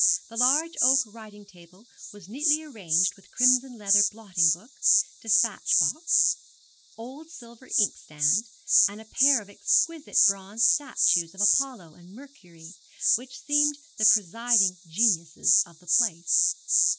The large oak writing table was neatly arranged with crimson leather blotting book, despatch box, old silver inkstand, and a pair of exquisite bronze statuettes of Apollo and Mercury, which seemed the presiding geniuses of the place.